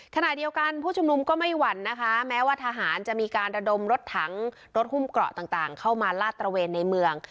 ขณะเดียวกันผู้ชุมนุมก็ไม่หวั่นนะคะแม้ว่าทหารจะมีการระดมรถถังรถหุ้มเกราะต่างเข้ามาลาดตระเวนในเมือง